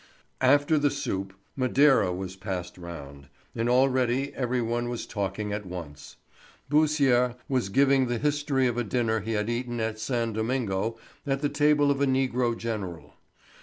After the soup, Madeira was passed round, and already every one was talking at once. Beausire was giving the history of a dinner he had eaten at San Domingo at the table of a negro general.